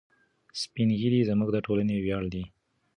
سپین ږیري زموږ د ټولنې ویاړ دي.